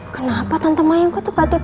kenapa tante mayang kok tiba tiba telpon kiki